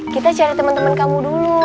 kita cari teman teman kamu dulu